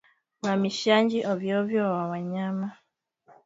Uhamishaji ovyoovyo wa wanyama